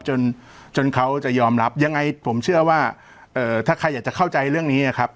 จนจนเขาจะยอมรับยังไงผมเชื่อว่าเอ่อถ้าใครอยากจะเข้าใจเรื่องนี้นะครับ